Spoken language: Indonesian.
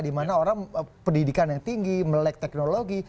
di mana orang pendidikan yang tinggi melek teknologi